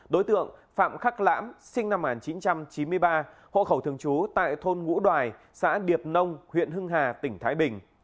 đối tượng phạm khắc lãm sinh năm một nghìn chín trăm chín mươi ba hộ khẩu thường trú tại thôn ngũ đoài xã điệp nông huyện hưng hà tỉnh thái bình